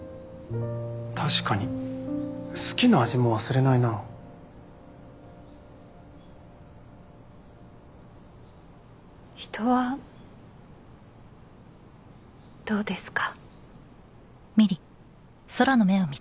確かに好きな味も忘れないな人はどうですか？